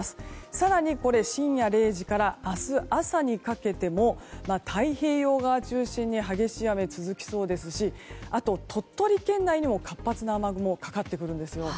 更に、深夜０時から明日朝にかけても太平洋側中心に激しい雨が続きそうですし鳥取県内にも活発な雨雲がかかってくるんです。